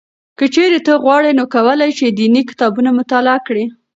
که چېرې ته وغواړې نو کولای شې دیني کتابونه مطالعه کړې.